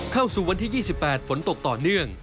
เข้าสู่วันที่๒๘ฝนตกต่อเนื่อง